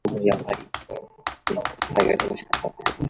He also played Macduff to Edwin Booth's Macbeth.